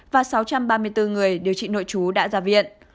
và sáu trăm ba mươi bốn người điều trị nội chú đã ra viện